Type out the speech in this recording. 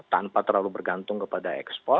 tanpa terlalu bergantung kepada ekspor